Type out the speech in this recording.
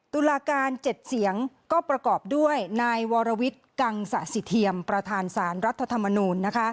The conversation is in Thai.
ตุลาการ๗เสียงก็ประกอบด้วยนายวรวิทย์กังสะสิเทียมประธานสารรัฐธรรมนูล